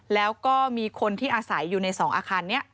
แล้วก็มีคนที่อาศัยอยู่ใน๒อาคารนี้